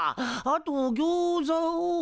あと餃子を。